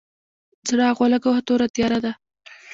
څراغ ولګوه ، توره تیاره ده !